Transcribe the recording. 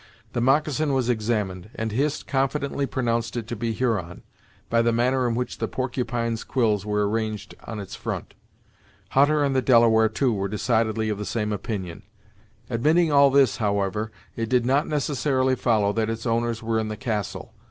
The moccasin was examined, and Hist confidently pronounced it to be Huron, by the manner in which the porcupine's quills were arranged on its front. Hutter and the Delaware, too, were decidedly of the same opinion. Admitting all this, however, it did not necessarily follow that its owners were in the castle.